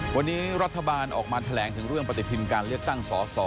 วันนี้รัฐบาลออกมาแถลงถึงเรื่องปฏิทินการเลือกตั้งสอสอ